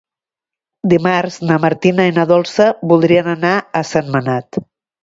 Dimarts na Martina i na Dolça voldrien anar a Sentmenat.